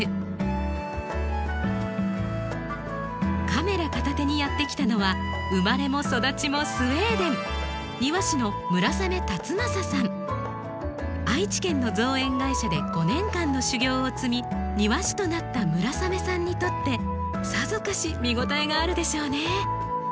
カメラ片手にやって来たのは生まれも育ちもスウェーデン愛知県の造園会社で５年間の修業を積み庭師となった村雨さんにとってさぞかし見応えがあるでしょうね。